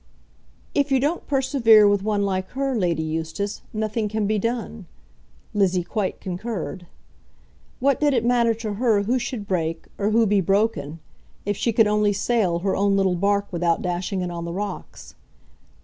"If you don't persevere with one like her, Lady Eustace, nothing can be done." Lizzie quite concurred. What did it matter to her who should break, or who be broken, if she could only sail her own little bark without dashing it on the rocks?